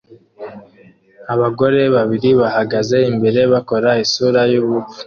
Abagore babiri bahagaze imbere bakora isura yubupfu